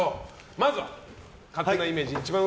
まずは、勝手なイメージ